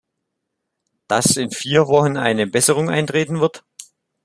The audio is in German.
Dass in vier Wochen eine Besserung eintreten wird?